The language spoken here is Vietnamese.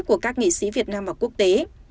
của các nghị sĩ việt nam và quốc tế